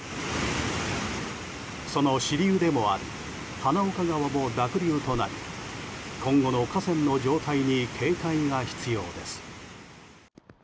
その支流でもある花岡川も濁流となり今後の河川の状態に警戒が必要です。